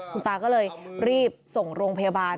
คุณตาก็เลยรีบส่งโรงพยาบาล